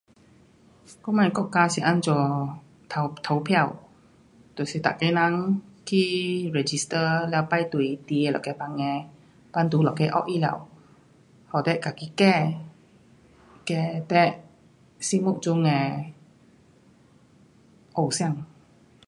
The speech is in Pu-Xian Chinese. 我们的国家是怎样投，投票，就是每个人去 register 了排队进内那个房的，那个以后给你自己选你羡慕中的偶像。